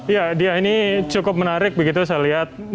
ya dia ini cukup menarik begitu saya lihat